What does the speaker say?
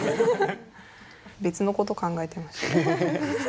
別のこと考えてました。